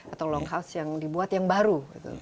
atau longhouse yang dibuat yang baru